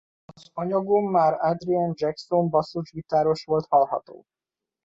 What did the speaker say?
Az anyagon már Adrian Jackson basszusgitáros volt hallható.